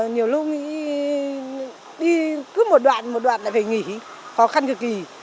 nhiều lúc đi cứ một đoạn một đoạn lại phải nghỉ khó khăn cực kỳ